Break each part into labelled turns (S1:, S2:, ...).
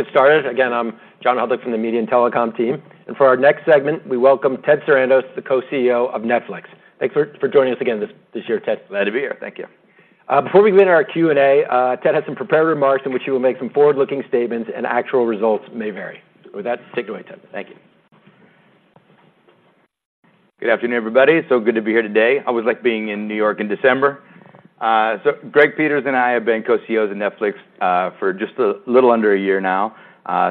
S1: Get started. Again, I'm John Hodulik from the Media and Telecom team, and for our next segment, we welcome Ted Sarandos, the Co-CEO of Netflix. Thanks for joining us again this year, Ted.
S2: Glad to be here. Thank you.
S1: Before we begin our Q&A, Ted has some prepared remarks in which he will make some forward-looking statements, and actual results may vary. With that, take it away, Ted. Thank you.
S2: Good afternoon, everybody. It's so good to be here today. I always like being in New York in December. So Greg Peters and I have been co-CEOs of Netflix for just a little under a year now.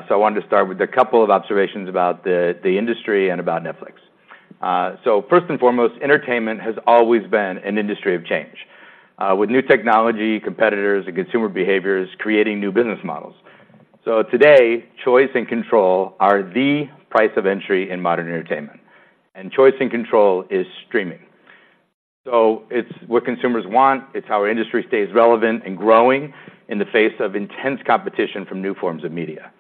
S2: So I wanted to start with a couple of observations about the industry and about Netflix. So first and foremost, entertainment has always been an industry of change with new technology, competitors and consumer behaviors creating new business models. So today, choice and control are the price of entry in modern entertainment, and choice and control is streaming. So it's what consumers want, it's how our industry stays relevant and growing in the face of intense competition from new forms of media.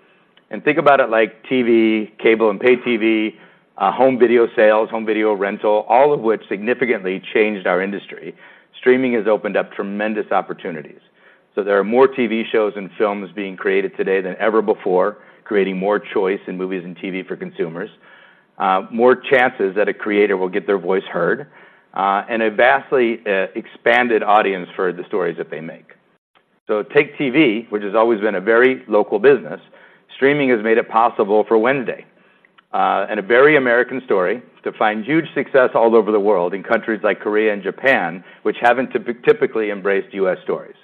S2: And think about it like TV, cable and paid TV, home video sales, home video rental, all of which significantly changed our industry. Streaming has opened up tremendous opportunities. So there are more TV shows and films being created today than ever before, creating more choice in movies and TV for consumers, more chances that a creator will get their voice heard, and a vastly expanded audience for the stories that they make. So take TV, which has always been a very local business. Streaming has made it possible for Wednesday, a very American story, to find huge success all over the world in countries like Korea and Japan, which haven't typically embraced U.S. stories.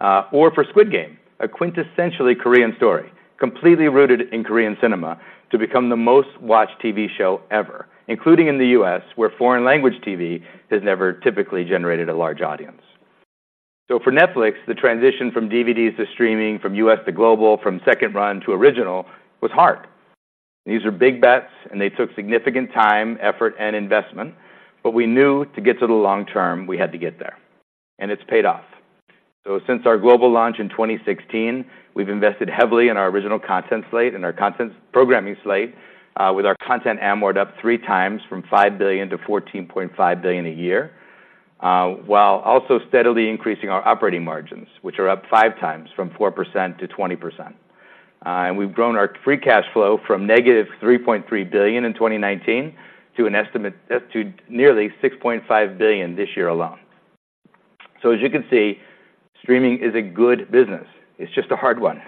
S2: Or for Squid Game, a quintessentially Korean story, completely rooted in Korean cinema, to become the most watched TV show ever, including in the U.S., where foreign language TV has never typically generated a large audience. So for Netflix, the transition from DVDs to streaming, from U.S. to global, from second run to original, was hard. These were big bets, and they took significant time, effort, and investment, but we knew to get to the long term, we had to get there, and it's paid off. So since our global launch in 2016, we've invested heavily in our original content slate and our content programming slate, with our content amort up three times from $5 billion to $14.5 billion a year, while also steadily increasing our operating margins, which are up five times from 4% to 20%. And we've grown our free cash flow from -$3.3 billion in 2019 to up to nearly $6.5 billion this year alone. So as you can see, streaming is a good business. It's just a hard one.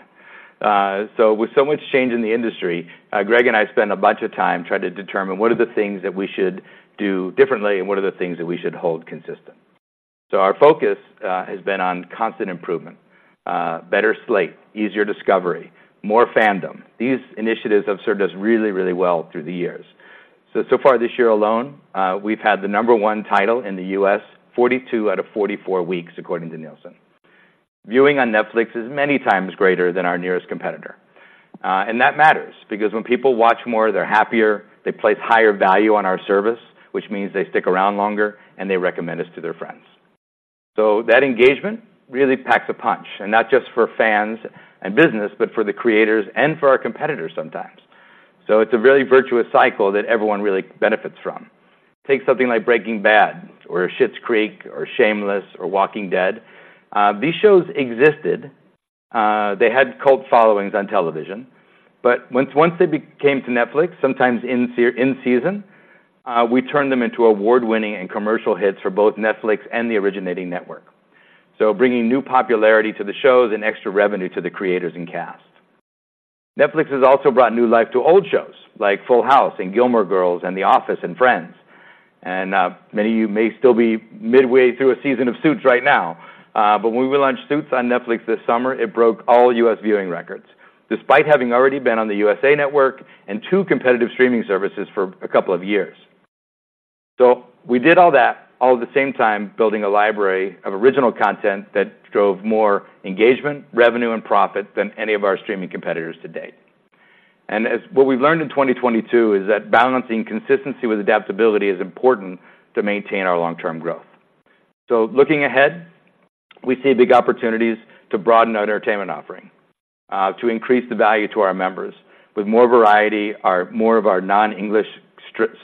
S2: So with so much change in the industry, Greg and I spend a bunch of time trying to determine what are the things that we should do differently and what are the things that we should hold consistent. So our focus has been on constant improvement, better slate, easier discovery, more fandom. These initiatives have served us really, really well through the years. So far this year alone, we've had the number one title in the U.S., 42 out of 44 weeks, according to Nielsen. Viewing on Netflix is many times greater than our nearest competitor, and that matters, because when people watch more, they're happier, they place higher value on our service, which means they stick around longer and they recommend us to their friends. So that engagement really packs a punch, and not just for fans and business, but for the creators and for our competitors sometimes. So it's a very virtuous cycle that everyone really benefits from. Take something like Breaking Bad or Schitt's Creek or Shameless or Walking Dead. These shows existed, they had cult followings on television, but once they came to Netflix, sometimes in season, we turned them into award-winning and commercial hits for both Netflix and the originating network. So bringing new popularity to the shows and extra revenue to the creators and cast. Netflix has also brought new life to old shows, like Full House and Gilmore Girls, and The Office and Friends. And, many of you may still be midway through a season of Suits right now, but when we launched Suits on Netflix this summer, it broke all U.S. viewing records, despite having already been on the USA Network and two competitive streaming services for a couple of years. So we did all that, all at the same time, building a library of original content that drove more engagement, revenue, and profit than any of our streaming competitors to date. And what we've learned in 2022 is that balancing consistency with adaptability is important to maintain our long-term growth. So looking ahead, we see big opportunities to broaden our entertainment offering, to increase the value to our members with more variety, more of our non-English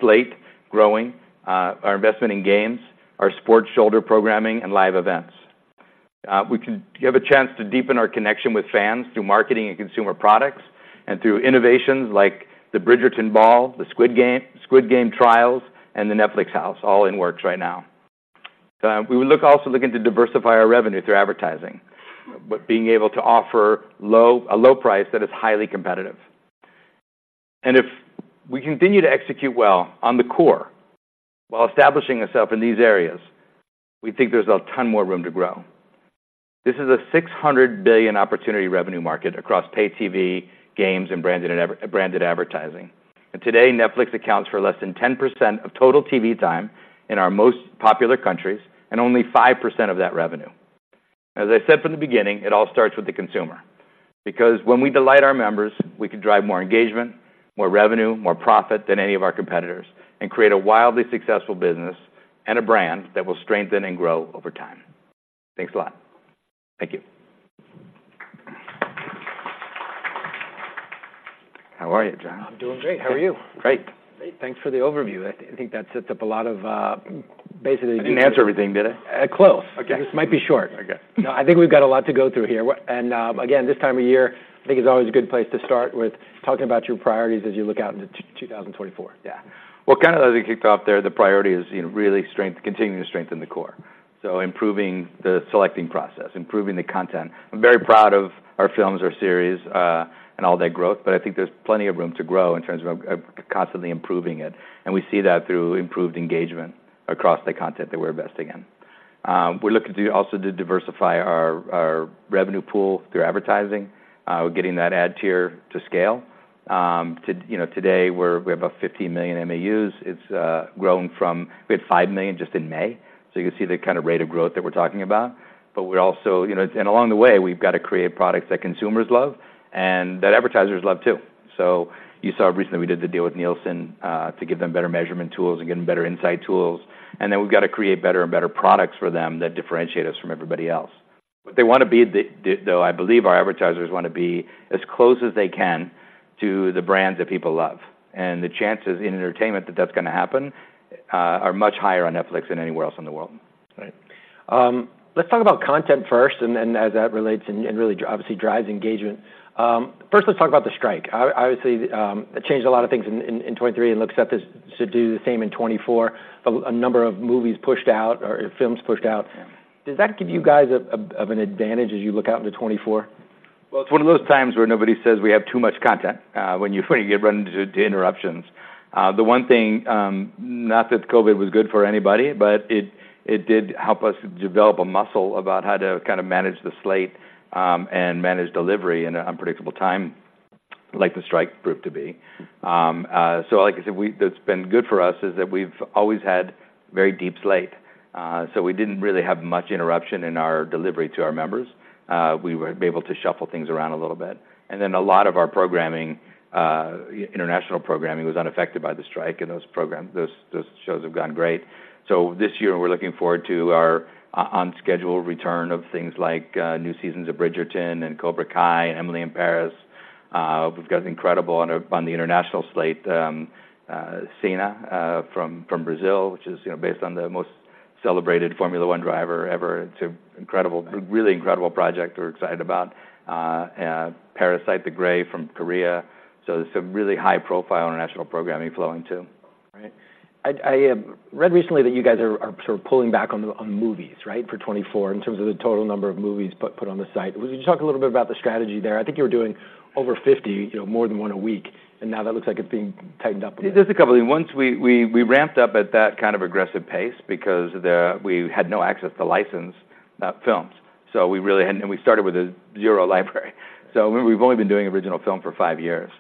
S2: slate growing, our investment in games, our sports shoulder programming, and live events. We can have a chance to deepen our connection with fans through marketing and consumer products, and through innovations like the Bridgerton Ball, the Squid Game, Squid Game Trials, and the Netflix House, all in works right now. We will also be looking to diversify our revenue through advertising, but being able to offer a low price that is highly competitive. And if we continue to execute well on the core while establishing ourselves in these areas, we think there's a ton more room to grow. This is a $600 billion opportunity revenue market across pay TV, games, and branded and even branded advertising. Today, Netflix accounts for less than 10% of total TV time in our most popular countries, and only 5% of that revenue. As I said from the beginning, it all starts with the consumer, because when we delight our members, we can drive more engagement, more revenue, more profit than any of our competitors, and create a wildly successful business and a brand that will strengthen and grow over time. Thanks a lot. Thank you. ...How are you, John?
S1: I'm doing great. How are you?
S2: Great.
S1: Great, thanks for the overview. I think that sets up a lot of, basically-
S2: I didn't answer everything, did I?
S1: Uh, close.
S2: Okay.
S1: This might be short.
S2: Okay.
S1: No, I think we've got a lot to go through here. And, again, this time of year, I think it's always a good place to start with talking about your priorities as you look out into 2024.
S2: Yeah. Well, kinda as we kicked off there, the priority is, you know, really continuing to strengthen the core. So improving the selecting process, improving the content. I'm very proud of our films, our series, and all that growth, but I think there's plenty of room to grow in terms of constantly improving it, and we see that through improved engagement across the content that we're investing in. We're looking to also diversify our revenue pool through advertising. We're getting that ad tier to scale. To, you know, today, we have about 15 million MAUs. It's grown from... We had 5 million just in May, so you can see the kind of rate of growth that we're talking about. But we're also, you know, and along the way, we've got to create products that consumers love and that advertisers love too. So you saw recently we did the deal with Nielsen to give them better measurement tools and getting better insight tools, and then we've got to create better and better products for them that differentiate us from everybody else. But I believe our advertisers wanna be as close as they can to the brands that people love, and the chances in entertainment that that's gonna happen are much higher on Netflix than anywhere else in the world.
S1: Right. Let's talk about content first, and then as that relates and really obviously drives engagement. First, let's talk about the strike. Obviously, it changed a lot of things in 2023 and looks set this to do the same in 2024, a number of movies pushed out or films pushed out.
S2: Yeah.
S1: Does that give you guys an advantage as you look out into 2024?
S2: Well, it's one of those times where nobody says we have too much content, when you run into interruptions. The one thing, not that COVID was good for anybody, but it did help us develop a muscle about how to kind of manage the slate, and manage delivery in an unpredictable time, like the strike proved to be. So, like I said, that's been good for us, is that we've always had very deep slate. So we didn't really have much interruption in our delivery to our members. We were able to shuffle things around a little bit, and then a lot of our programming, international programming was unaffected by the strike, and those shows have gone great. So this year, we're looking forward to our on-schedule return of things like new seasons of Bridgerton and Cobra Kai, Emily in Paris. We've got incredible on the international slate, Senna from Brazil, which is, you know, based on the most celebrated Formula 1 driver ever. It's an incredible-
S1: Yeah.
S2: -really incredible project we're excited about. Parasyte: The Grey from Korea. So there's some really high-profile international programming flowing, too.
S1: Right. I read recently that you guys are sort of pulling back on the, on movies, right, for 2024, in terms of the total number of movies put on the site. Can you talk a little bit about the strategy there? I think you were doing over 50, you know, more than one a week, and now that looks like it's being tightened up.
S2: There's a couple of. Once we ramped up at that kind of aggressive pace because there we had no access to licensed films. So we really hadn't. And we started with a zero library. So we've only been doing original film for five years.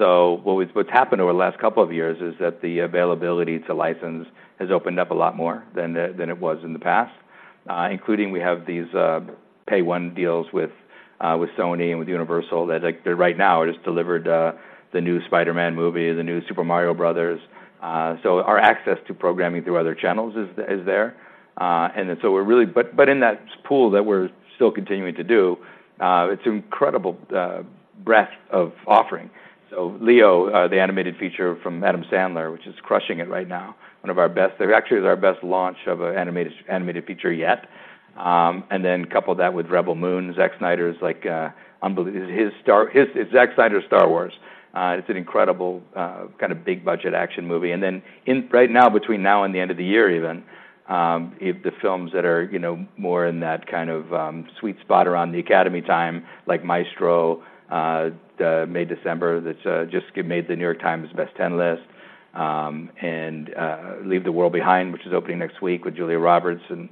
S2: So what's happened over the last couple of years is that the availability to license has opened up a lot more than it was in the past. Including, we have these Pay-1 deals with Sony and with Universal, that, like, right now, it has delivered the new Spider-Man movie, the new Super Mario Bros. So our access to programming through other channels is there. And so we're really but in that pool that we're still continuing to do, it's an incredible breadth of offering. So Leo, the animated feature from Adam Sandler, which is crushing it right now, one of our best—actually is our best launch of an animated feature yet. And then couple that with Rebel Moon. Zack Snyder is like, his Star Wars. It's Zack Snyder's Star Wars. It's an incredible, kind of big-budget action movie. And then right now, between now and the end of the year even, the films that are, you know, more in that kind of sweet spot around the Academy time, like Maestro, the May December, that's just made the New York Times best 10 list, and Leave the World Behind, which is opening next week with Julia Roberts. And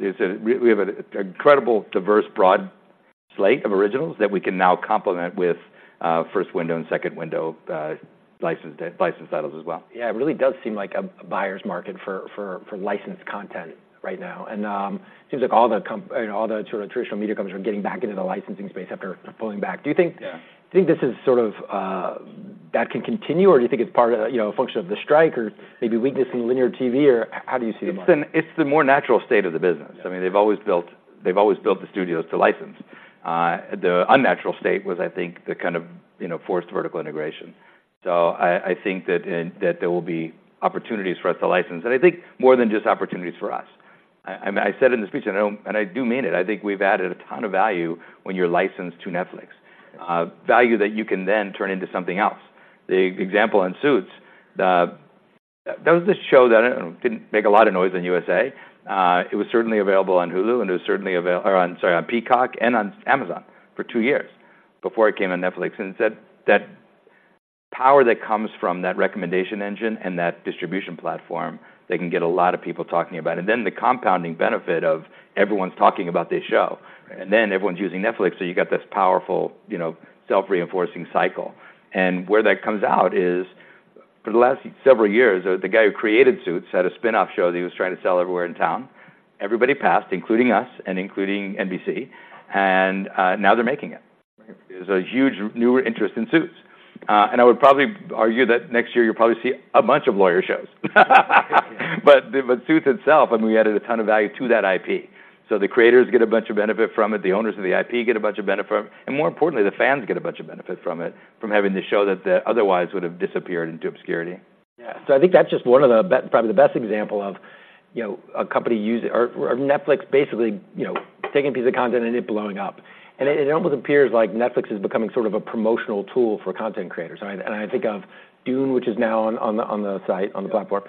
S2: it's a... We have an incredible, diverse, broad slate of originals that we can now complement with first window and second window licensed titles as well.
S1: Yeah, it really does seem like a buyer's market for licensed content right now. And seems like all the and all the sort of traditional media companies are getting back into the licensing space after pulling back. Do you think-
S2: Yeah.
S1: Do you think this is sort of that can continue, or do you think it's part of, you know, a function of the strike, or maybe weakness in linear TV, or how do you see the market?
S2: It's the more natural state of the business.
S1: Yeah.
S2: I mean, they've always built the studios to license. The unnatural state was, I think, the kind of, you know, forced vertical integration. So I think that there will be opportunities for us to license, and I think more than just opportunities for us. I mean, I said it in the speech, and I do mean it: I think we've added a ton of value when you're licensed to Netflix, value that you can then turn into something else. The example in Suits, the... There was this show that didn't make a lot of noise in USA. It was certainly available on Hulu, and it was certainly available on Peacock and on Amazon for two years before it came on Netflix. And that, that power that comes from that recommendation engine and that distribution platform, they can get a lot of people talking about it. And then the compounding benefit of everyone's talking about this show-
S1: Right...
S2: and then everyone's using Netflix, so you got this powerful, you know, self-reinforcing cycle. And where that comes out is, for the last several years, the guy who created Suits had a spin-off show that he was trying to sell everywhere in town. Everybody passed, including us and including NBC, and now they're making it.
S1: Right.
S2: There's a huge new interest in Suits. I would probably argue that next year you'll probably see a bunch of lawyer shows.
S1: Yeah.
S2: But Suits itself, I mean, we added a ton of value to that IP. So the creators get a bunch of benefit from it, the owners of the IP get a bunch of benefit from it, and more importantly, the fans get a bunch of benefit from it, from having the show that otherwise would have disappeared into obscurity.
S1: Yeah. So I think that's just one of the probably the best example of, you know, a company using or, or Netflix basically, you know, taking a piece of content and it blowing up. And it, it almost appears like Netflix is becoming sort of a promotional tool for content creators, right? And I think of Dune, which is now on, on the, on the site, on the platform,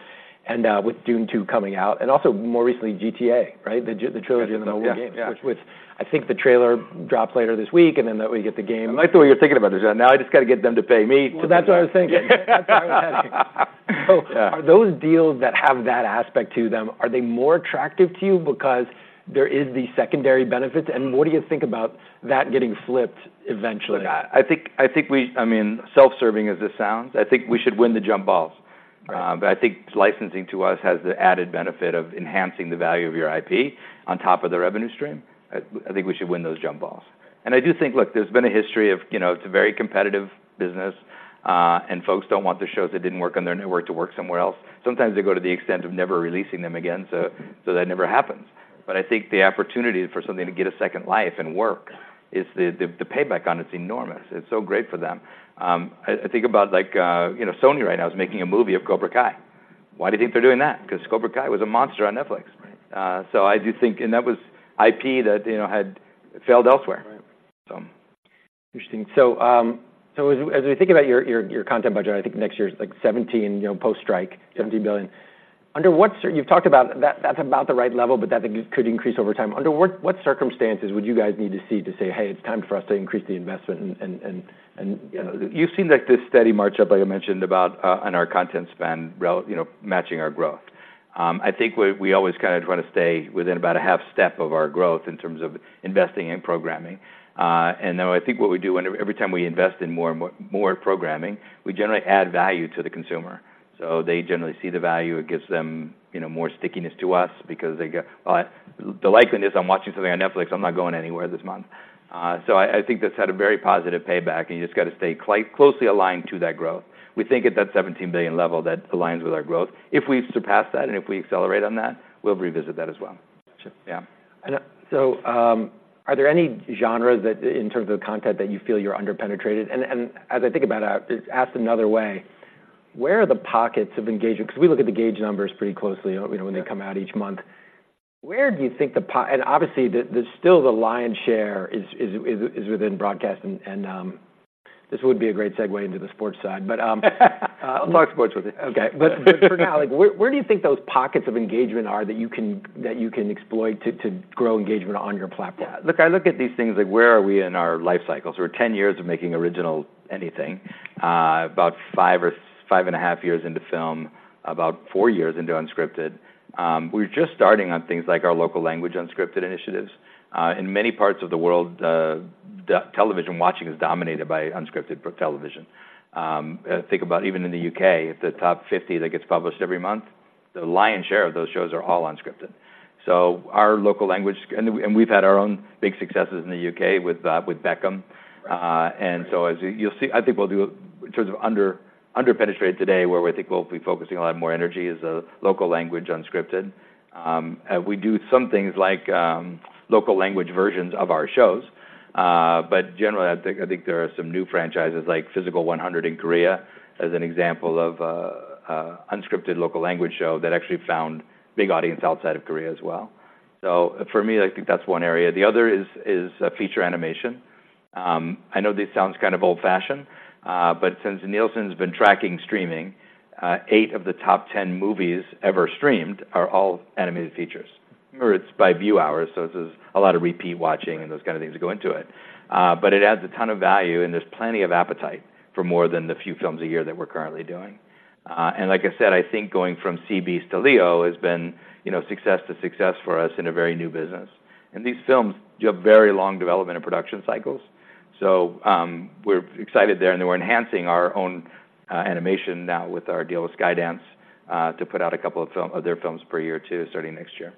S1: and with Dune Two coming out, and also more recently, GTA, right? The, the trailers-
S2: Yeah, yeah...
S1: which I think the trailer drops later this week, and then that way we get the game.
S2: I like the way you're thinking about this, John. Now I just got to get them to pay me.
S1: Well, that's what I was thinking. So are those deals that have that aspect to them, are they more attractive to you because there is the secondary benefits, and what do you think about that getting flipped eventually?
S2: I think, I mean, self-serving as this sounds, I think we should win the jump balls.
S1: Right.
S2: But I think licensing to us has the added benefit of enhancing the value of your IP on top of the revenue stream. I think we should win those jump balls. And I do think, look, there's been a history of, you know, it's a very competitive business, and folks don't want the shows that didn't work on their network to work somewhere else. Sometimes they go to the extent of never releasing them again, so that never happens. But I think the opportunity for something to get a second life and work is the payback on it is enormous. It's so great for them. I think about, like, you know, Sony right now is making a movie of Cobra Kai. Why do you think they're doing that? Because Cobra Kai was a monster on Netflix.
S1: Right.
S2: So I do think, and that was IP that, you know, had failed elsewhere.
S1: Right.
S2: So.
S1: Interesting. So, as we think about your content budget, I think next year is, like, $17, you know, post-strike, $17 billion. Under what cir-- you've talked about that, that's about the right level, but that could increase over time. Under what circumstances would you guys need to see to say, "Hey, it's time for us to increase the investment"? You know, you've seen, like, this steady march up, like I mentioned, about, on our content spend rel- you know, matching our growth.
S2: I think we always kinda try to stay within about a half step of our growth in terms of investing in programming. Although I think what we do every time we invest in more and more programming, we generally add value to the consumer. So they generally see the value. It gives them, you know, more stickiness to us because they go, "The likelihood is I'm watching something on Netflix. I'm not going anywhere this month." So I think that's had a very positive payback, and you just got to stay closely aligned to that growth. We think at that $17 billion level, that aligns with our growth. If we surpass that, and if we accelerate on that, we'll revisit that as well.
S1: Yeah. I know. So, are there any genres that, in terms of content, that you feel you're underpenetrated? And, as I think about it, asked another way: Where are the pockets of engagement? Because we look at the Gauge numbers pretty closely, you know, when they come out each month. Where do you think, and obviously, there's still the lion's share is within broadcast, and this would be a great segue into the sports side, but,
S2: I'll mark sports with it.
S1: Okay. But for now, like, where do you think those pockets of engagement are that you can exploit to grow engagement on your platform?
S2: Look, I look at these things like, where are we in our life cycles? We're 10 years of making original anything, about five or 5.5 years into film, about 4 years into unscripted. We're just starting on things like our local language unscripted initiatives. In many parts of the world, the television watching is dominated by unscripted television. Think about even in the U.K., the top 50 that gets published every month, the lion's share of those shows are all unscripted. So our local language and we've had our own big successes in the U.K. with Beckham. And so as you, you'll see. I think we'll do in terms of underpenetrated today, where we think we'll be focusing a lot more energy is a local language unscripted. We do some things like local language versions of our shows, but generally, I think there are some new franchises like Physical 100 in Korea, as an example of unscripted local language show that actually found big audience outside of Korea as well. So for me, I think that's one area. The other is feature animation. I know this sounds kind of old-fashioned, but since Nielsen's been tracking streaming, eight of the top ten movies ever streamed are all animated features, or it's by view hours, so it is a lot of repeat watching and those kind of things go into it. But it adds a ton of value, and there's plenty of appetite for more than the few films a year that we're currently doing. Like I said, I think going from CB to Leo has been, you know, success to success for us in a very new business. These films do have very long development and production cycles. So, we're excited there, and then we're enhancing our own animation now with our deal with Skydance to put out a couple of their films per year, too, starting next year.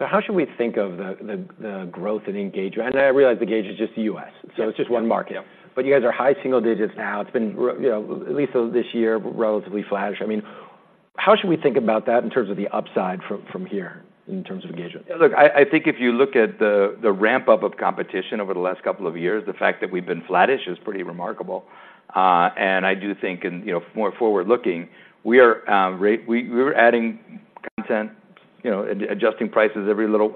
S1: How should we think of the growth and engagement? I realize the Gauge is just the U.S., so it's just one market.
S2: Yeah.
S1: But you guys are high single digits now. It's been, you know, at least so this year, relatively flattish. I mean, how should we think about that in terms of the upside from here, in terms of engagement?
S2: Look, I think if you look at the ramp-up of competition over the last couple of years, the fact that we've been flattish is pretty remarkable. And I do think, you know, more forward-looking, we were adding content, you know, adjusting prices every little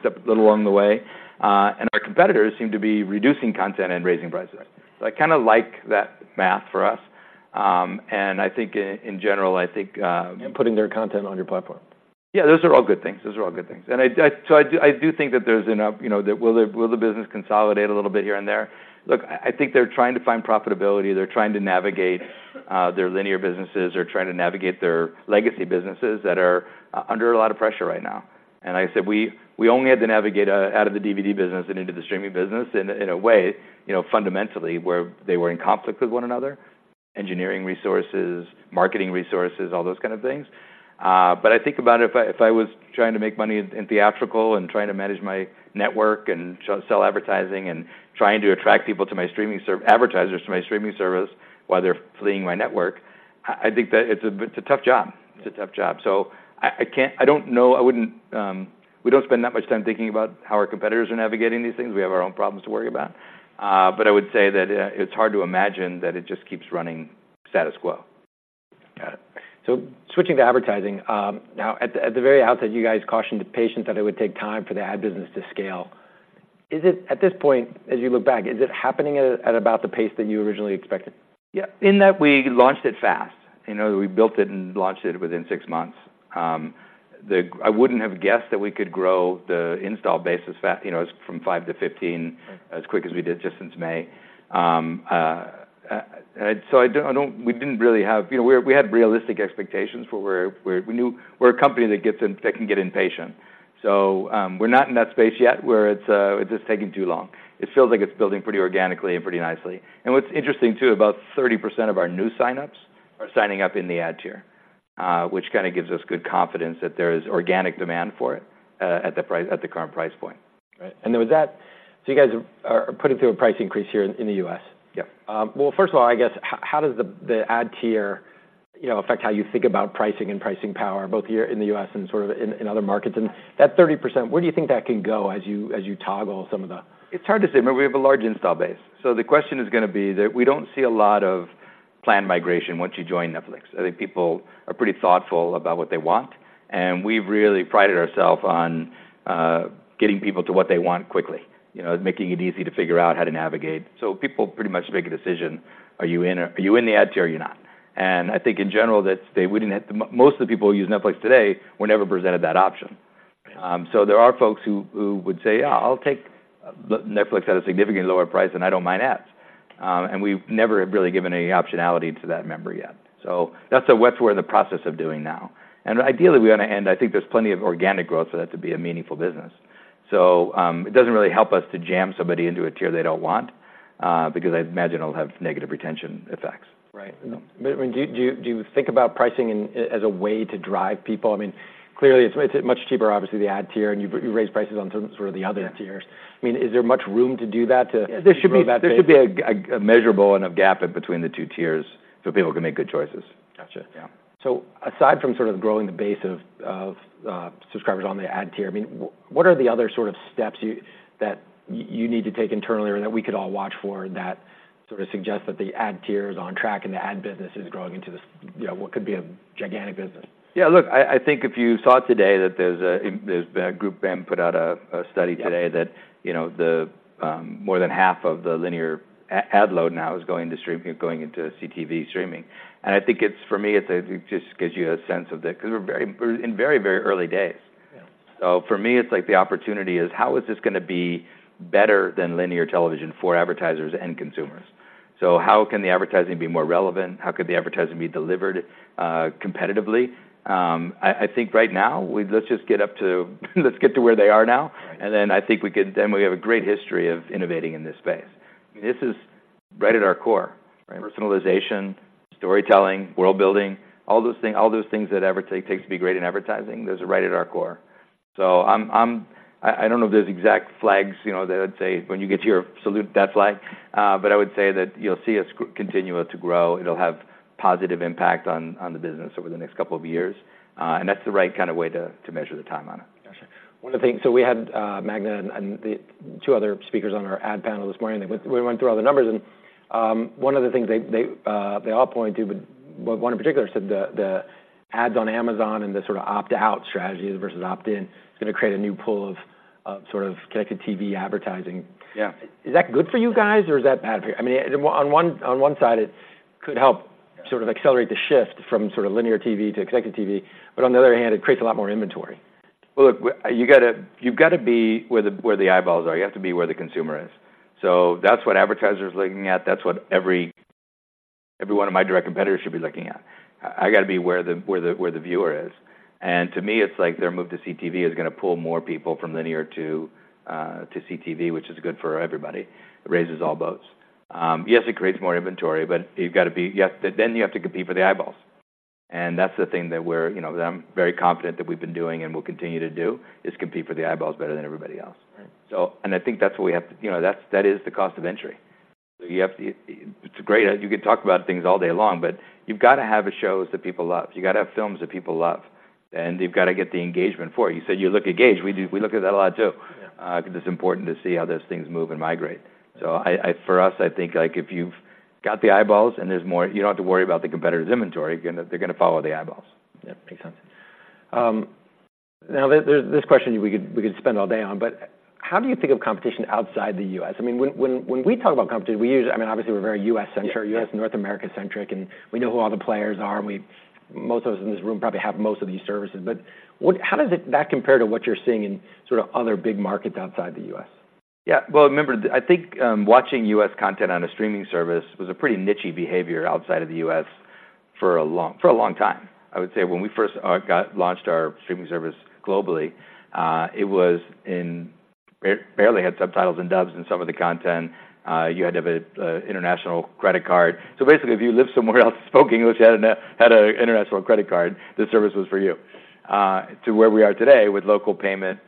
S2: step along the way, and our competitors seem to be reducing content and raising prices. So I kinda like that math for us. And I think in general, I think-
S1: Putting their content on your platform.
S2: Yeah, those are all good things. Those are all good things. And so I do, I do think that there's enough, you know, will the business consolidate a little bit here and there? Look, I think they're trying to find profitability. They're trying to navigate their linear businesses or trying to navigate their legacy businesses that are under a lot of pressure right now. And I said we only had to navigate out of the DVD business and into the streaming business in a way, you know, fundamentally, where they were in conflict with one another... engineering resources, marketing resources, all those kind of things. But I think about if I was trying to make money in theatrical and trying to manage my network and sell advertising and trying to attract people to my streaming service, advertisers to my streaming service while they're fleeing my network, I think that it's a tough job. It's a tough job. So I can't—I don't know, I wouldn't... We don't spend that much time thinking about how our competitors are navigating these things. We have our own problems to worry about. But I would say that it's hard to imagine that it just keeps running status quo.
S1: Got it. So switching to advertising, now, at the very outset, you guys cautioned the patience that it would take time for the ad business to scale. Is it, at this point, as you look back, is it happening at about the pace that you originally expected?
S2: Yeah, in that we launched it fast. You know, we built it and launched it within six months. I wouldn't have guessed that we could grow the install base as fast, you know, from five to 15-
S1: Right...
S2: as quick as we did just since May. So we didn't really have... You know, we had realistic expectations for where we knew we're a company that can get impatient. So, we're not in that space yet, where it's just taking too long. It feels like it's building pretty organically and pretty nicely. And what's interesting, too, about 30% of our new signups are signing up in the ad tier, which kinda gives us good confidence that there is organic demand for it at the current price point.
S1: Right. And there was that... So you guys are putting through a price increase here in the U.S.?
S2: Yeah.
S1: Well, first of all, I guess, how does the ad tier, you know, affect how you think about pricing and pricing power, both here in the U.S. and sort of in other markets? And that 30%, where do you think that can go as you toggle some of the-
S2: It's hard to say. Remember, we have a large install base, so the question is gonna be that we don't see a lot of plan migration once you join Netflix. I think people are pretty thoughtful about what they want, and we've really prided ourselves on getting people to what they want quickly. You know, making it easy to figure out how to navigate. So people pretty much make a decision: Are you in or are you in the ad tier, are you not? And I think in general, that they wouldn't have... Most of the people who use Netflix today were never presented that option.
S1: Right.
S2: So there are folks who would say, "Yeah, I'll take Netflix at a significantly lower price, and I don't mind ads." And we've never really given any optionality to that member yet. So that's what we're in the process of doing now. And ideally, we're gonna end—I think there's plenty of organic growth for that to be a meaningful business. So it doesn't really help us to jam somebody into a tier they don't want, because I imagine it'll have negative retention effects.
S1: Right. But I mean, do you think about pricing as a way to drive people? I mean, clearly, it's much cheaper, obviously, the ad tier, and you've raised prices on some sort of the other tiers.
S2: Yeah.
S1: I mean, is there much room to do that, to-
S2: Yeah, there should be-
S1: grow that base?
S2: There should be a measurable and a gap between the two tiers so people can make good choices.
S1: Gotcha.
S2: Yeah.
S1: Aside from sort of growing the base of subscribers, I mean, what are the other sort of steps you that you need to take internally or that we could all watch for, that sort of suggest that the ad tier is on track and the ad business is growing into this, you know, what could be a gigantic business?
S2: Yeah, look, I think if you saw today that there's a GroupM, put out a study-
S1: Yeah...
S2: today, that you know more than half of the linear ad load now is going to streaming going into CTV streaming. And I think it's, for me, it's it just gives you a sense of the... Because we're in very, very early days.
S1: Yeah.
S2: So for me, it's like the opportunity is: How is this gonna be better than linear television for advertisers and consumers? So how can the advertising be more relevant? How could the advertising be delivered competitively? I think right now, let's just get to where they are now.
S1: Right.
S2: We have a great history of innovating in this space. This is right at our core.
S1: Right.
S2: Personalization, storytelling, world-building, all those things, all those things that advertising takes to be great in advertising, those are right at our core. So I don't know if there's exact flags, you know, that I'd say when you get to your slate, that flag. But I would say that you'll see us continue to grow. It'll have positive impact on the business over the next couple of years, and that's the right kind of way to measure the time on it.
S1: Gotcha. One of the things... So we had Magna and the two other speakers on our ad panel this morning, and we went through all the numbers, and one of the things they all pointed to, but one in particular, said the ads on Amazon and the sort of opt-out strategies versus opt-in is gonna create a new pool of sort of connected TV advertising.
S2: Yeah.
S1: Is that good for you guys or is that bad for you? I mean, on one side, it could help sort of accelerate the shift from sort of linear TV to connected TV, but on the other hand, it creates a lot more inventory.
S2: Well, look, you've got to, you've got to be where the, where the eyeballs are. You have to be where the consumer is. So that's what advertisers are looking at, that's what every, every one of my direct competitors should be looking at. I got to be where the, where the, where the viewer is. And to me, it's like their move to CTV is gonna pull more people from linear to, to CTV, which is good for everybody. It raises all boats. Yes, it creates more inventory, but you've got to be... You then have to compete for the eyeballs. And that's the thing that we're, you know, that I'm very confident that we've been doing and will continue to do, is compete for the eyeballs better than everybody else.
S1: Right.
S2: I think that's what we have to. You know, that's, that is the cost of entry. So you have to. It's great, you could talk about things all day long, but you've got to have the shows that people love. You've got to have films that people love, and you've got to get the engagement for it. You said you look at Gauge. We do, we look at that a lot, too.
S1: Yeah.
S2: Because it's important to see how those things move and migrate. So, for us, I think, like, if you've got the eyeballs and there's more, you don't have to worry about the competitor's inventory. They're gonna follow the eyeballs.
S1: Yeah, makes sense. Now, this question we could spend all day on, but how do you think of competition outside the U.S.? I mean, when we talk about competition, we use- I mean, obviously, we're very US-centric-
S2: Yeah...
S1: U.S., North America-centric, and we know who all the players are, and most of us in this room probably have most of these services. But how does it, that compare to what you're seeing in sort of other big markets outside the U.S.?
S2: Yeah. Well, remember, I think, watching U.S. content on a streaming service was a pretty niche-y behavior outside of the U.S.... for a long, for a long time. I would say when we first got launched our streaming service globally, it was barely had subtitles and dubs in some of the content. You had to have a international credit card. So basically, if you lived somewhere else, spoke English, you had a international credit card, this service was for you. To where we are today with local payment,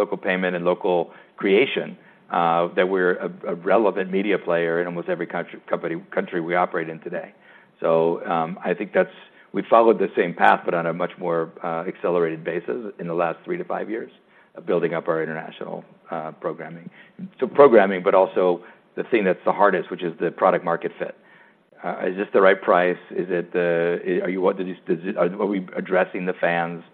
S2: local payment and local creation, that we're a relevant media player in almost every country we operate in today. So, I think that's... We followed the same path, but on a much more accelerated basis in the last three to five years, of building up our international programming. So programming, but also the thing that's the hardest, which is the product-market fit. Is this the right price? Is it... are we addressing the fans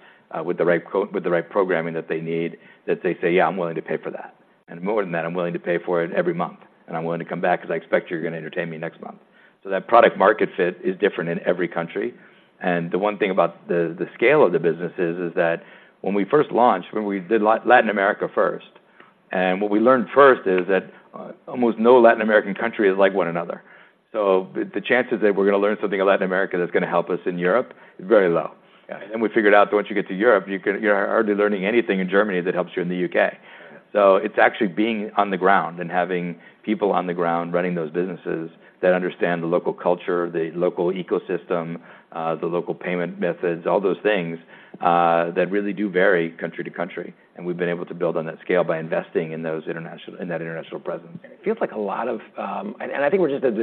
S2: with the right programming that they need, that they say, "Yeah, I'm willing to pay for that. And more than that, I'm willing to pay for it every month, and I'm willing to come back because I expect you're gonna entertain me next month?" So that product-market fit is different in every country. The one thing about the scale of the business is that when we first launched, when we did Latin America first, and what we learned first is that almost no Latin American country is like one another. So the chances that we're gonna learn something in Latin America that's gonna help us in Europe is very low.
S1: Yeah.
S2: Then we figured out that once you get to Europe, you're hardly learning anything in Germany that helps you in the U.K. So it's actually being on the ground and having people on the ground running those businesses that understand the local culture, the local ecosystem, the local payment methods, all those things, that really do vary country to country, and we've been able to build on that scale by investing in those international—in that international presence.
S1: It feels like a lot of. I think we're just at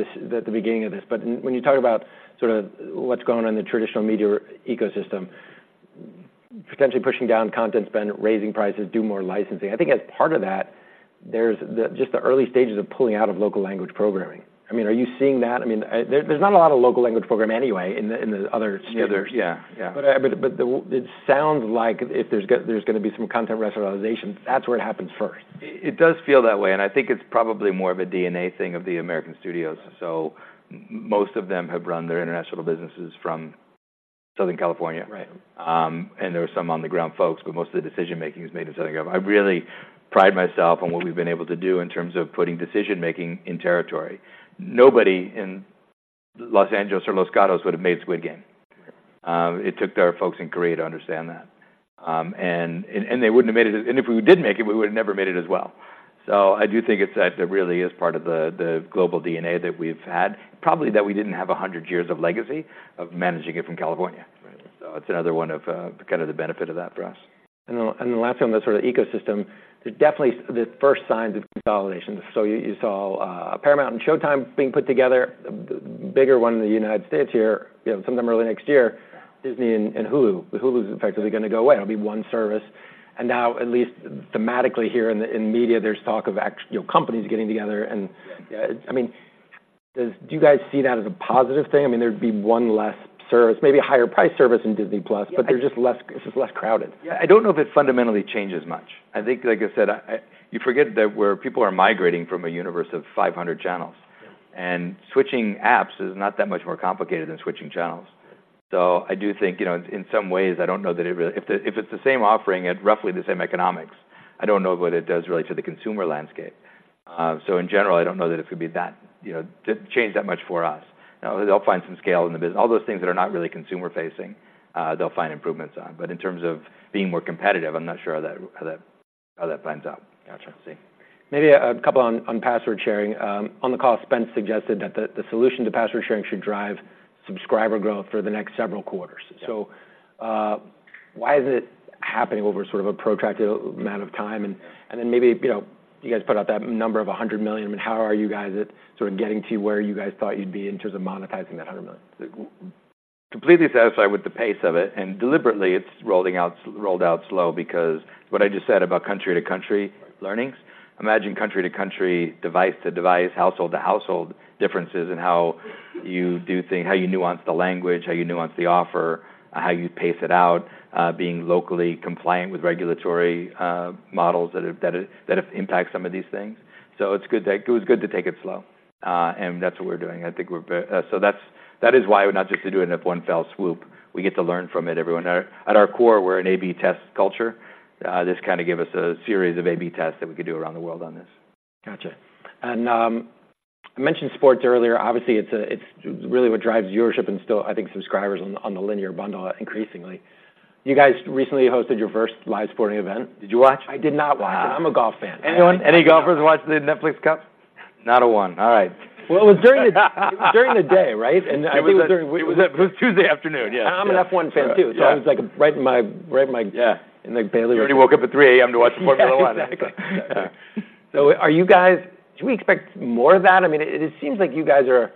S1: the beginning of this, but when you talk about sort of what's going on in the traditional media ecosystem, potentially pushing down content spend, raising prices, do more licensing, I think as part of that, there's just the early stages of pulling out of local language programming. I mean, are you seeing that? I mean, there's not a lot of local language programming anyway in the other studios.
S2: Yeah. Yeah.
S1: It sounds like if there's gonna be some content rationalization, that's where it happens first.
S2: It does feel that way, and I think it's probably more of a DNA thing of the American studios. So most of them have run their international businesses from Southern California.
S1: Right.
S2: There are some on-the-ground folks, but most of the decision-making is made in Southern California. I really pride myself on what we've been able to do in terms of putting decision-making in territory. Nobody in Los Angeles or Los Gatos would have made Squid Game.
S1: Right.
S2: It took their folks in Korea to understand that. They wouldn't have made it... If we did make it, we would have never made it as well. So I do think it's that there really is part of the global DNA that we've had, probably that we didn't have 100 years of legacy of managing it from California.
S1: Right.
S2: It's another one of, kind of the benefit of that for us.
S1: And the last one, the sort of ecosystem, there's definitely the first signs of consolidation. So you saw, Paramount and Showtime being put together, the bigger one in the United States here. You know, sometime early next year, Disney and Hulu. Hulu is effectively gonna go away. It'll be one service. And now, at least thematically here in the media, there's talk of you know, companies getting together, and-
S2: Yeah...
S1: I mean, do you guys see that as a positive thing? I mean, there'd be one less service, maybe a higher price service in Disney+-
S2: Yeah...
S1: but they're just less, it's just less crowded.
S2: Yeah, I don't know if it fundamentally changes much. I think, like I said, you forget that people are migrating from a universe of 500 channels.
S1: Yeah.
S2: Switching apps is not that much more complicated than switching channels.
S1: Right.
S2: So I do think, you know, in some ways, I don't know that it really. If it's the same offering at roughly the same economics, I don't know what it does really to the consumer landscape. So in general, I don't know that it could be that, you know, change that much for us. They'll find some scale in the business, all those things that are not really consumer-facing, they'll find improvements on. But in terms of being more competitive, I'm not sure how that plays out.
S1: Gotcha. I see. Maybe a couple on password sharing. On the call, Spence suggested that the solution to password sharing should drive subscriber growth for the next several quarters.
S2: Yeah.
S1: So, why is it happening over sort of a protracted amount of time? And then maybe, you know, you guys put out that number of 100 million. I mean, how are you guys at sort of getting to where you guys thought you'd be in terms of monetizing that 100 million?
S2: completely satisfied with the pace of it, and deliberately, it's rolling out- rolled out slow because what I just said about country to country learnings-
S1: Right...
S2: imagine country to country, device to device, household to household differences in how you do things, how you nuance the language, how you nuance the offer, how you pace it out, being locally compliant with regulatory models that have, that, that have impact some of these things. So it's good to, it was good to take it slow, and that's what we're doing. I think we're so that's, that is why we're not just to do it in one fell swoop. We get to learn from it. Everyone at our core, we're an AB test culture. This kind of give us a series of AB tests that we could do around the world on this.
S1: Gotcha. And, I mentioned sports earlier. Obviously, it's really what drives viewership and still, I think, subscribers on the, on the linear bundle, increasingly. You guys recently hosted your first live sporting event.
S2: Did you watch?
S1: I did not watch.
S2: Ah.
S1: I'm a golf fan.
S2: Anyone, any golfers watched the Netflix Cup? Not a one. All right.
S1: Well, it was during the day, right? And I believe during-
S2: It was a Tuesday afternoon, yes.
S1: I'm an F1 fan, too.
S2: Yeah.
S1: I was, like, right in my-
S2: Yeah...
S1: in the daily-
S2: You already woke up at 3:00 A.M. to watch Formula 1.
S1: Yeah, exactly. Yeah. So are you guys. Should we expect more of that? I mean, it, it seems like you guys are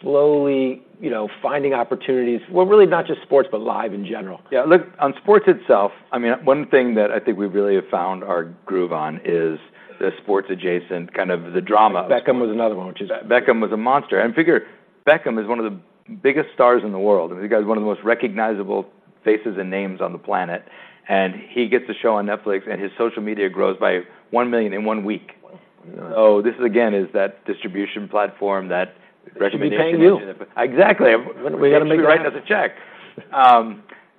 S1: slowly, you know, finding opportunities. Well, really, not just sports, but live in general.
S2: Yeah, look, on sports itself, I mean, one thing that I think we really have found our groove on is the sports adjacent, kind of the drama.
S1: Beckham was another one, which is-
S2: Beckham was a monster. And figure, Beckham is one of the biggest stars in the world. The guy is one of the most recognizable faces and names on the planet, and he gets a show on Netflix, and his social media grows by 1 million in one week.
S1: Wow.
S2: So this is, again, that distribution platform, that recommendation-
S1: Should be paying you.
S2: Exactly!
S1: We got to make it right.
S2: Sending us a check.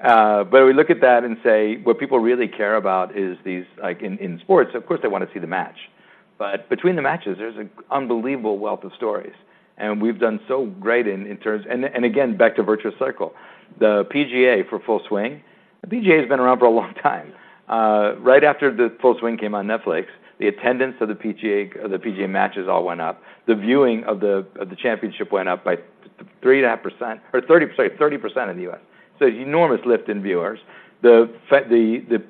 S2: But we look at that and say, what people really care about is these, like, in sports, of course, they want to see the match... but between the matches, there's an unbelievable wealth of stories, and we've done so great in terms. And again, back to virtuous cycle. The PGA for Full Swing, the PGA has been around for a long time. Right after the Full Swing came on Netflix, the attendance of the PGA, the PGA matches all went up. The viewing of the championship went up by 3.5%, or 30%, sorry, 30% in the U.S. So enormous lift in viewers. The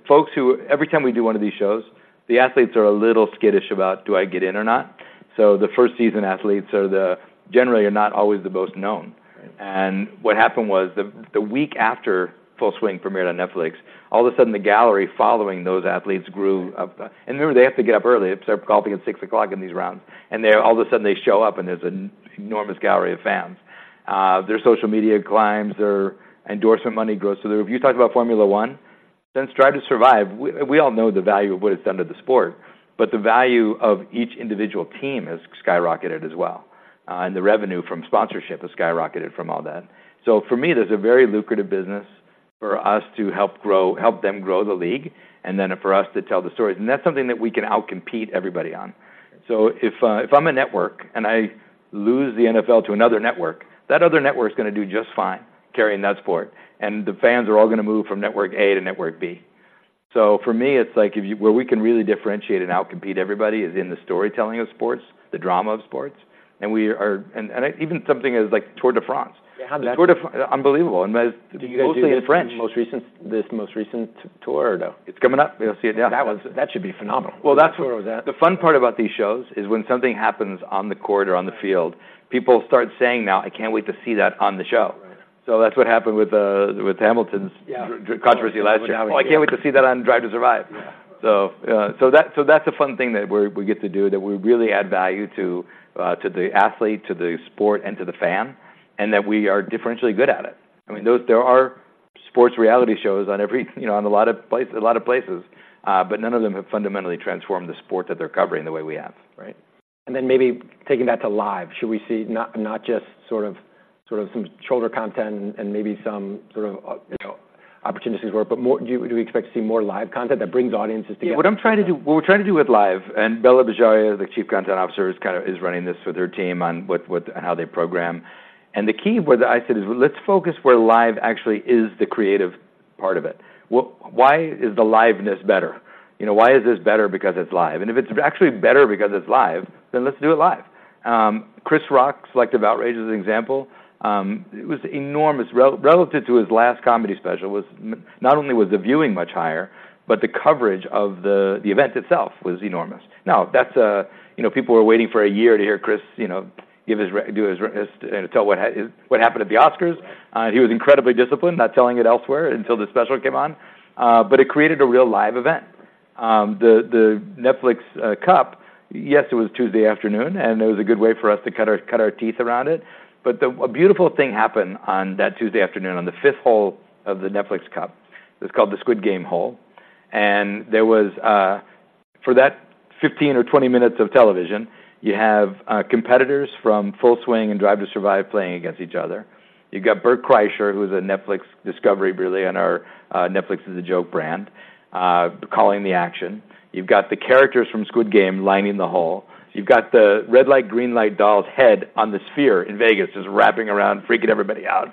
S2: folks who, every time we do one of these shows, the athletes are a little skittish about, "Do I get in or not?" So the first season athletes are generally not always the most known.
S1: Right.
S2: What happened was, the week after Full Swing premiered on Netflix, all of a sudden the gallery following those athletes grew up. Remember, they have to get up early, they start golfing at 6:00 A.M. in these rounds. They all of a sudden show up, and there's an enormous gallery of fans. Their social media climbs, their endorsement money grows. So if you talked about Formula 1, since Drive to Survive, we all know the value of what it's done to the sport, but the value of each individual team has skyrocketed as well, and the revenue from sponsorship has skyrocketed from all that. So for me, there's a very lucrative business for us to help grow- help them grow the league, and then for us to tell the stories. That's something that we can outcompete everybody on. So if I'm a network and I lose the NFL to another network, that other network's gonna do just fine carrying that sport, and the fans are all gonna move from network A to network B. So for me, it's like, where we can really differentiate and outcompete everybody is in the storytelling of sports, the drama of sports. And we are even something as, like, Tour de France.
S1: Yeah, how does that-
S2: The Tour de France. Unbelievable, and most of it in French.
S1: Did you guys do this most recent tour, or no?
S2: It's coming up. We'll see it, yeah.
S1: That should be phenomenal.
S2: Well, that's-
S1: The tour was at-...
S2: the fun part about these shows is when something happens on the court or on the field, people start saying, "Now, I can't wait to see that on the show.
S1: Right.
S2: That's what happened with, with Hamilton's-
S1: Yeah
S2: - controversy last year.
S1: Now we-
S2: Oh, I can't wait to see that on Drive to Survive.
S1: Yeah.
S2: So, that's a fun thing that we get to do, that we really add value to, to the athlete, to the sport, and to the fan, and that we are differentially good at it. I mean, there are sports reality shows on every, you know, on a lot of places, but none of them have fundamentally transformed the sport that they're covering the way we have.
S1: Right. And then maybe taking that to live, should we see not just sort of some shoulder content and maybe some sort of, you know, opportunities where... But more, do we expect to see more live content that brings audiences together?
S2: Yeah, what I'm trying to do—what we're trying to do with live, and Bela Bajaria, the Chief Content Officer, is kind of running this with her team on what, how they program. And the key where I said is, let's focus where live actually is the creative part of it. Well, why is the liveness better? You know, why is this better because it's live? And if it's actually better because it's live, then let's do it live. Chris Rock's Selective Outrage as an example, it was enormous. Relative to his last comedy special, was... Not only was the viewing much higher, but the coverage of the event itself was enormous. Now, that's—you know, people were waiting for a year to hear Chris, you know, give his redo and tell what happened at the Oscars.
S1: Right.
S2: He was incredibly disciplined, not telling it elsewhere until the special came on, but it created a real live event. The Netflix Cup, yes, it was Tuesday afternoon, and it was a good way for us to cut our, cut our teeth around it. But a beautiful thing happened on that Tuesday afternoon. On the fifth hole of the Netflix Cup, it's called the Squid Game hole, and there was... For that 15 or 20 minutes of television, you have competitors from Full Swing and Drive to Survive playing against each other. You've got Bert Kreischer, who's a Netflix discovery, really, on our Netflix Is a Joke brand, calling the action. You've got the characters from Squid Game lining the hole. You've got the red light, green light doll's head on the Sphere in Vegas, just wrapping around, freaking everybody out.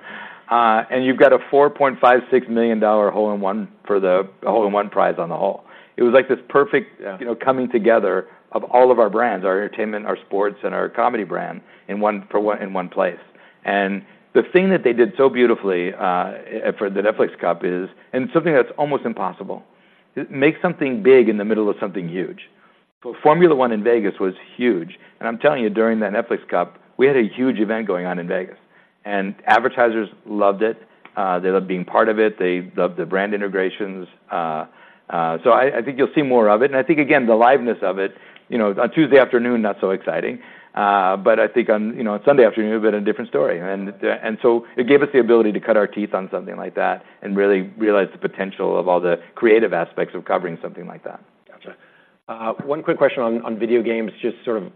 S2: And you've got a $4.56 million hole-in-one for the hole-in-one prize on the hole. It was like this perfect-
S1: Yeah
S2: You know, coming together of all of our brands, our entertainment, our sports, and our comedy brand in one—in one place. And the thing that they did so beautifully for the Netflix Cup is, and something that's almost impossible, make something big in the middle of something huge. So Formula 1 in Vegas was huge, and I'm telling you, during that Netflix Cup, we had a huge event going on in Vegas. And advertisers loved it. They loved being part of it. They loved the brand integrations. So I think you'll see more of it. And I think, again, the liveness of it, you know, on Tuesday afternoon, not so exciting, but I think on, you know, on Sunday afternoon, a bit of a different story. And, and so it gave us the ability to cut our teeth on something like that and really realize the potential of all the creative aspects of covering something like that.
S1: Gotcha. One quick question on video games. Just sort of,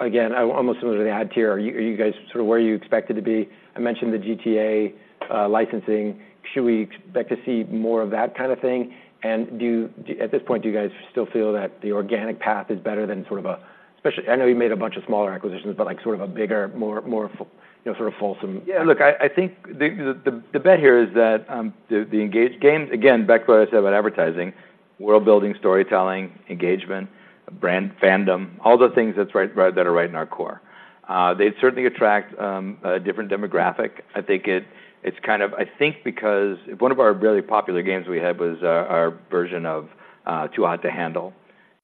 S1: again, almost similar to the ad tier, are you guys sort of where you expected to be? I mentioned the GTA licensing. Should we expect to see more of that kind of thing? And do you- At this point, do you guys still feel that the organic path is better than sort of a... Especially, I know you made a bunch of smaller acquisitions, but, like, sort of a bigger, more, you know, sort of fulsome-
S2: Yeah, look, I think the bet here is that the engaging games. Again, back to what I said about advertising, world-building, storytelling, engagement, brand fandom, all the things that's right, right, that are right in our core. They certainly attract a different demographic. I think it's kind of. I think because one of our really popular games we had was our version of Too Hot to Handle.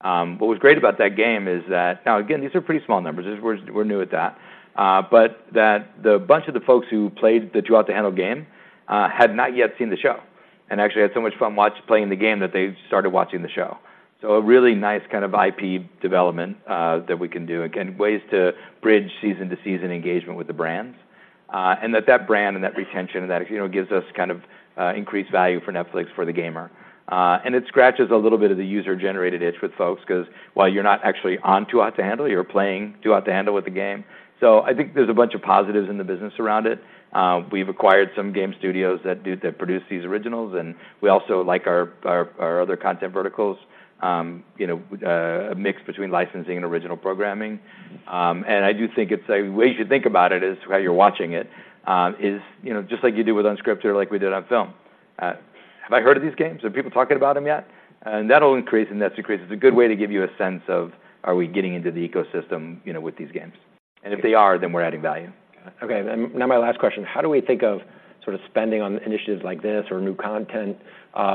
S2: What was great about that game is that. Now, again, these are pretty small numbers. We're new at that. But a bunch of the folks who played the Too Hot to Handle game had not yet seen the show, and actually had so much fun playing the game, that they started watching the show. So a really nice kind of IP development that we can do. Again, ways to bridge season-to-season engagement with the brands. And that brand and that retention and that, you know, gives us kind of increased value for Netflix, for the gamer. And it scratches a little bit of the user-generated itch with folks, 'cause while you're not actually on Too Hot to Handle, you're playing Too Hot to Handle with the game. So I think there's a bunch of positives in the business around it. We've acquired some game studios that produce these originals, and we also like our other content verticals, you know, a mix between licensing and original programming. And I do think it's the way you should think about it is, how you're watching it, is, you know, just like you do with unscripted, like we did on film. Have I heard of these games? Are people talking about them yet? And that'll increase, and that's increased. It's a good way to give you a sense of, are we getting into the ecosystem, you know, with these games? And if they are, then we're adding value.
S1: Okay. And now my last question: How do we think of sort of spending on initiatives like this or new content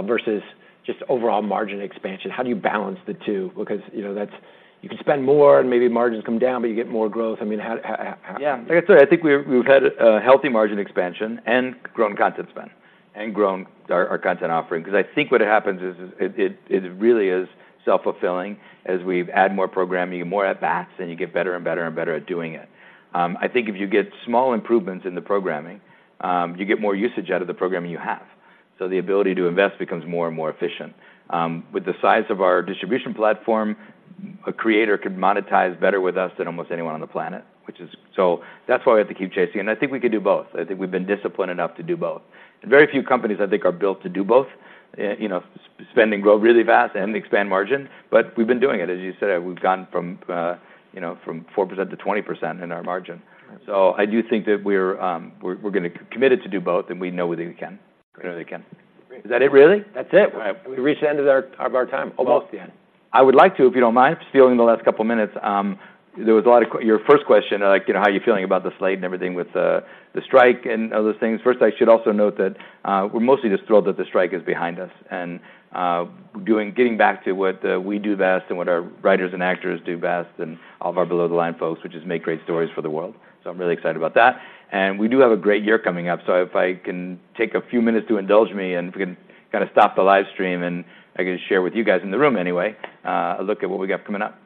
S1: versus just overall margin expansion? How do you balance the two? Because, you know, that's, you can spend more and maybe margins come down, but you get more growth. I mean, how, how, how-
S2: Yeah, like I said, I think we've had a healthy margin expansion and grown content spend, and grown our content offering. Because I think what happens is it really is self-fulfilling. As we've added more programming, more at bats, then you get better and better and better at doing it. I think if you get small improvements in the programming, you get more usage out of the programming you have, so the ability to invest becomes more and more efficient. With the size of our distribution platform, a creator could monetize better with us than almost anyone on the planet, which is... So that's why we have to keep chasing, and I think we can do both. I think we've been disciplined enough to do both. Very few companies, I think, are built to do both, you know, spend and grow really fast and expand margin, but we've been doing it. As you said, we've gone from, you know, from 4% to 20% in our margin. So I do think that we're, we're gonna committed to do both, and we know whether we can, whether we can.
S1: Great.
S2: Is that it, really?
S1: That's it.
S2: Right.
S1: We reached the end of our time. Almost the end.
S2: I would like to, if you don't mind, stealing the last couple of minutes. There was a lot of your first question, like, you know, how are you feeling about the slate and everything with the strike and other things? First, I should also note that we're mostly just thrilled that the strike is behind us and getting back to what we do best and what our writers and actors do best, and all of our below-the-line folks, which is make great stories for the world. So I'm really excited about that. And we do have a great year coming up, so if I can take a few minutes to indulge me, and if we can kinda stop the live stream, and I can share with you guys in the room anyway a look at what we got coming up.